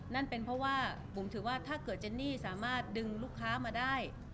นั่นเป็นเพราะว่าบุ๋มถือว่าถ้าเกิดเจนนี่สามารถดึงลูกค้ามาได้